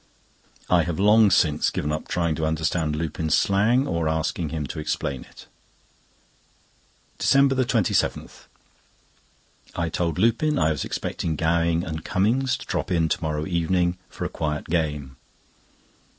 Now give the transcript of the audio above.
I have long since given up trying to understand Lupin's slang, or asking him to explain it. DECEMBER 27.—I told Lupin I was expecting Gowing and Cummings to drop in to morrow evening for a quiet game.